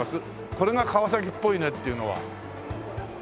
これが川崎っぽいねっていうのは。